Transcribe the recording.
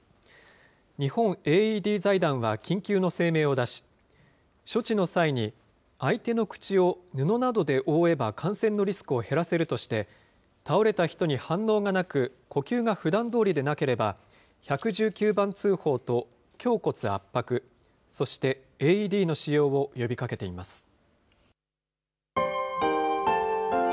日本ＡＥＤ財団は緊急の声明を出し、処置の際に相手の口を布などで覆えば感染のリスクを減らせるとして、倒れた人に反応がなく、呼吸がふだんどおりでなければ、１１９番通報と胸骨圧迫、そしてＡＥＤの使用を呼びかけています。